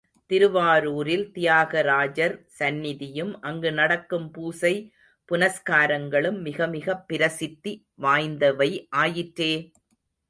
திருவாரூரில் தியாகராஜர் சந்நிதியும் அங்கு நடக்கும் பூசை புனஸ்காரங்களும் மிகமிகப் பிரசித்தி வாய்ந்தவை ஆயிற்றே!